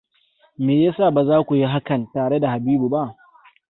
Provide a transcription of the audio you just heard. Meya sa ba za ku yi hakan tare da Habibu ba?